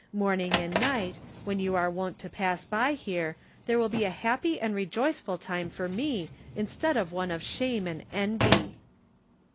Morning and night, when you were wont to pass by here, there will be a happy and rejoiceful time for me instead of one of shame and envy."